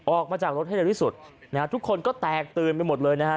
ออกมาจากรถให้เร็วที่สุดนะฮะทุกคนก็แตกตื่นไปหมดเลยนะฮะ